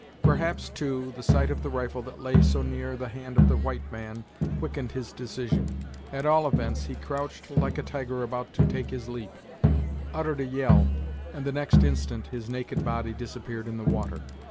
Perhaps, too, the sight of the rifle that lay so near the hand of the white man quickened his decision. At all events, he crouched like a tiger about to take his leap, uttered a yell, and the next instant his naked body disappeared in the water.